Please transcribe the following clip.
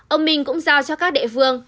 ông bình cũng giao cho các địa phương